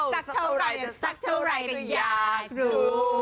สักเท่าไหร่กันอยากรู้